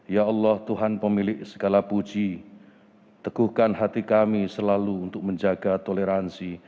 ya allah tuhan pemilik segala puji teguhkan hati kami selalu untuk menjaga toleransi